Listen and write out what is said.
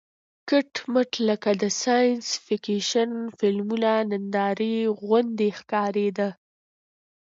کټ مټ لکه د ساینس فېکشن فلمونو نندارې غوندې ښکارېده.